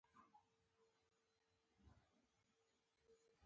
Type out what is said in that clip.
په غزني کې د قاري بابا د جبهې یو جلاد د خلکو څټ بویولو.